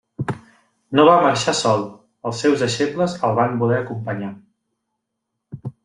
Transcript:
No va marxar sol: els seus deixebles el van voler acompanyar.